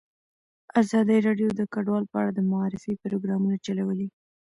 ازادي راډیو د کډوال په اړه د معارفې پروګرامونه چلولي.